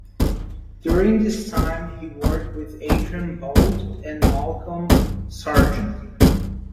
During this time he worked with Adrian Boult and Malcolm Sargent.